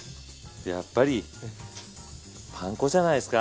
やっぱりパン粉じゃないですか？